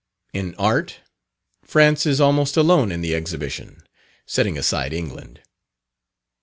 In Art, France is almost alone in the Exhibition, setting aside England.